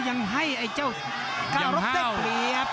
ยังให้ไอ้เจ้าการรบได้เปรียบ